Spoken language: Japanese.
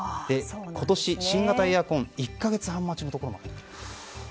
今年、新型エアコン１か月半待ちのところもあると。